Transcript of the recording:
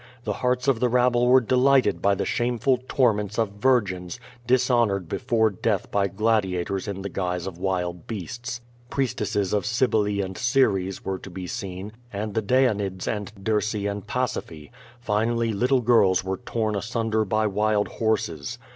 The hearts of the rabble were deliglited by the shameful torments of virgins, dishonored before death by gladiators in the guise of wild beasts. Priestesses of Cybele and Ceres were to be seen, and the Danaides and Dirce and Pasiphae; finally, little girls were torn asunder by wild horses.